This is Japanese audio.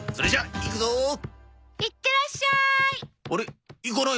いってらっしゃい。